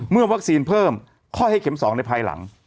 เมื่อวัคซีนเพิ่มค่อยให้เข็ม๒ในภายหลัง